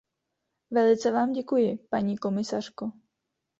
Velice vám děkuji, paní komisařko.